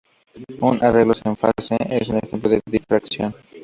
Un "arreglos en fase" es un ejemplo de difracción.